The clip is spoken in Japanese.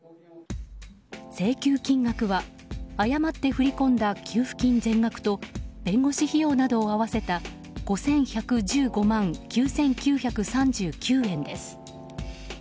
請求金額は誤って振り込んだ給付金全額と弁護士費用などを合わせた５１１５万９９３９円です。